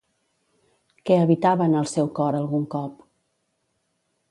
Què habitava en el seu cor algun cop?